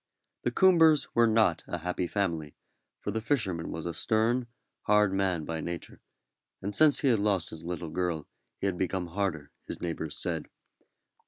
The Coombers were not a happy family, for the fisherman was a stern, hard man by nature, and since he had lost his little girl he had become harder, his neighbours said.